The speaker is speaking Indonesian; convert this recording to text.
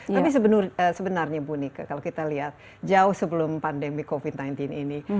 tapi sebenarnya bu nika kalau kita lihat jauh sebelum pandemi covid sembilan belas ini